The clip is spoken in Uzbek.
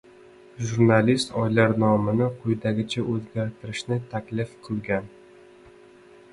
Jurnalist oylar nomini quyidagicha oʻzgartirishni taklif qilgan.